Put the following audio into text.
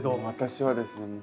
私はですね